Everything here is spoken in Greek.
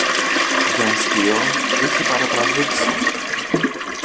Για αστείο είχε παρατραβήξει